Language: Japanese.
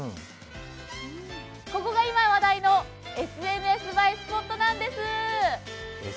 ここが今話題のＳＮＳ映えスポットなんです！